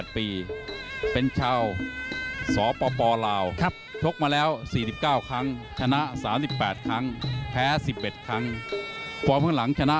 เป็นชาวสปลาวชกมาแล้ว๔๙ครั้งชนะ๓๘ครั้งแพ้๑๑ครั้งฟอร์มข้างหลังชนะ